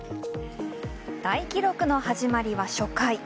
大記録の始まりは初回。